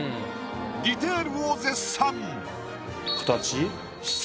ディテールを絶賛！